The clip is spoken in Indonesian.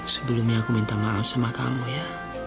sebelumnya aku minta maaf sama kamu ya